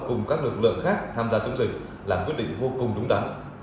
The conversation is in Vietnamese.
cùng các lực lượng khác tham gia chống dịch là quyết định vô cùng đúng đắn